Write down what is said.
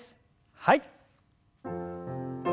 はい。